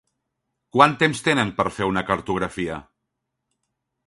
Quant temps tenen per fer una cartografia?